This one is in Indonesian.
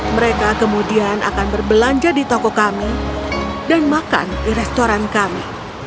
mereka kemudian akan berbelanja di toko kami dan makan di restoran kami